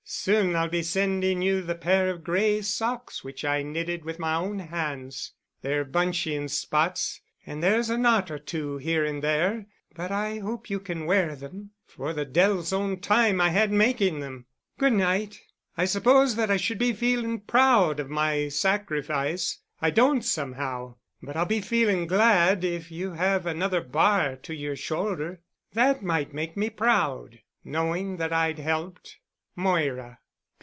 "Soon I'll be sending you the pair of gray socks which I knitted with my own hands. They're bunchy in spots and there's a knot or two here and there, but I hope you can wear them—for the Deil's own time I had making them. Good night. I suppose that I should be feeling proud at my sacrifice; I don't, somehow, but I'll be feeling glad if you have another bar to your shoulder. That might make me proud, knowing that I'd helped. MOIRA."